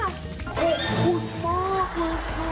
ขอบคุณมากค่ะค่ะ